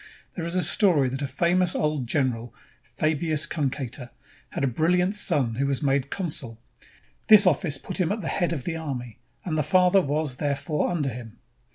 There is a story that a famous old general, Fabius Cunctator, had a brilhant son who was made consul. This office put him at the head of the army, and the father was, therefore, under him.